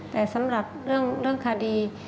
แต่สำหรับเรื่องคดี